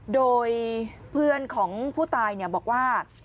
โดยเพื่อนของผู้ตายบอกว่า